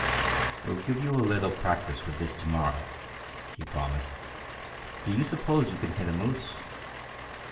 "We'll give you a little practice with this to morrow," he promised. "Do you suppose you can hit a moose?"